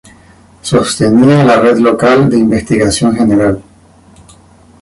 Sostenía la red local de investigación general.